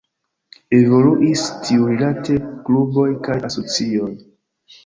Evoluis tiurilate kluboj kaj asocioj.